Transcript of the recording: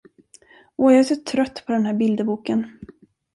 Åh, jag är så trött på den här bilderboken.